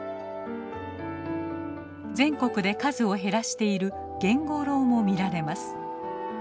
全国で数を減らしているゲンゴロウも見られます。